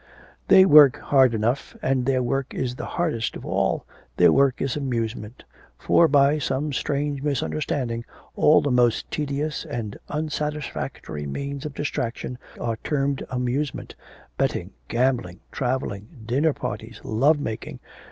'They work hard enough, and their work is the hardest of all, their work is amusement. For by some strange misunderstanding all the most tedious and unsatisfactory means of distraction, are termed amusement, betting, gambling, travelling, dinner parties, love making.